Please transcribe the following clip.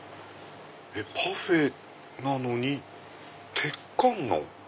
パフェなのに鉄観音。